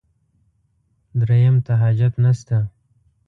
درېیم ته حاجت نشته.